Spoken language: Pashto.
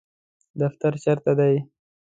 دفتر چیرته دی؟